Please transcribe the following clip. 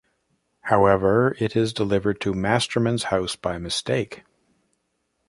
However, it is delivered to Masterman's house by mistake.